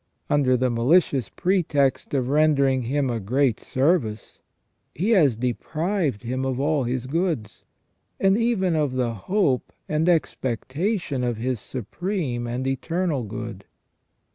Under the malicious pretext of rendering him a great service, he has deprived him of all his goods, and even of the hope and expectation of his supreme and eternal good.